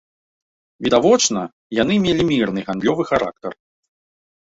Відавочна, яны мелі мірны гандлёвы характар.